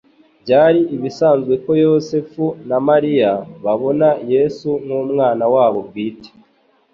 Byari ibisanzwe ko Yosefu na Mariya babona Yesu nk'umwana wabo bwite: